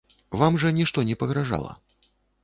Вам жа нішто не пагражала.